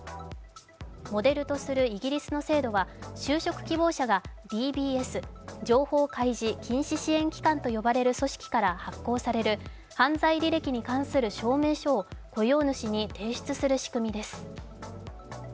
モデルとするイギリスの制度は就職希望者がＤＢＳ＝情報開示・禁止支援機関という組織から発行される犯罪履歴に関する証明書を雇用主に提出する仕組みです。